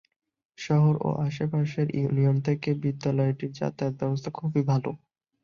শহর ও আশেপাশের ইউনিয়ন থেকে বিদ্যালয়টির যাতায়াত ব্যবস্থা খুবই ভালো।